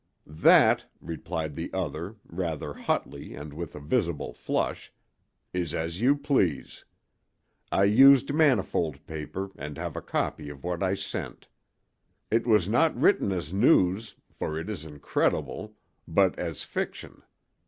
"That," replied the other, rather hotly and with a visible flush, "is as you please. I used manifold paper and have a copy of what I sent. It was not written as news, for it is incredible, but as fiction.